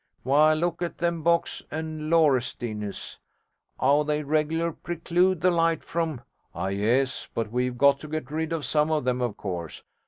Why look at them box and laurestinus, 'ow they reg'lar preclude the light from ' 'Ah yes, but we've got to get rid of some of them, of course.'